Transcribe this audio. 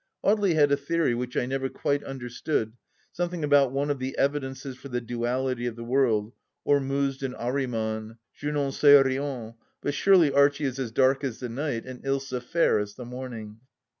Audely had a theory which I never quite understood — something about one of the evidences for the duality of the world — Ormuzd and Ahri man. ... Je n'en sals rien ; but certainly Archie is as dark as the night and Ilsa fair as the morning.